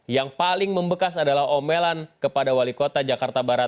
yang paling membekas adalah omelan kepada wali kota jakarta barat